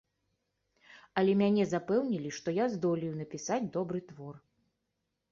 Але мяне запэўнілі, што я здолею напісаць добры твор.